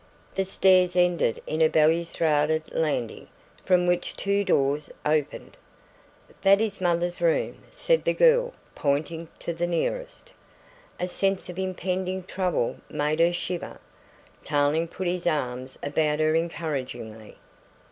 The stairs ended in a balustraded landing from which two doors opened. "That is mother's room," said the girl, pointing to the nearest. A sense of impending trouble made her shiver. Tarling put his arms about her encouragingly.